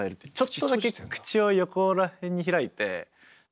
ちょっとだけ口を横ら辺に開いて。